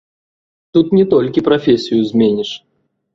Тут не толькі прафесію зменіш.